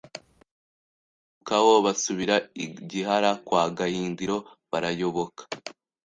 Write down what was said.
bamwegukaho basubira i Gihara kwa Gahindiro barayoboka.